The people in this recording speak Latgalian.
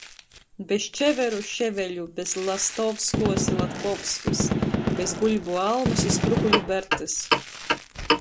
Bez Čeveru, Ševeļu, bez Lastovskuos i Latkovskys, bez Guļbu Almys i Sprukuļu Bertys.